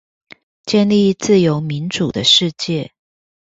建立自由民主的世界